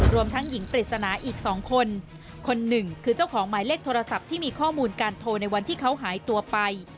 ทั้งหญิงปริศนาอีกสองคนคนหนึ่งคือเจ้าของหมายเลขโทรศัพท์ที่มีข้อมูลการโทรในวันที่เขาหายตัวไป